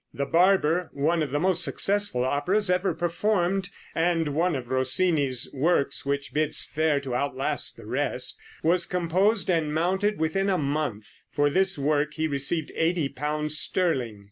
"The Barber," one of the most successful operas ever performed, and the one of Rossini's works which bids fair to outlast the rest, was composed and mounted within a month. For this work he received eighty pounds sterling.